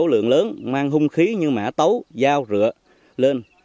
số lượng lớn mang hung khí như mã tấu dao rửa lên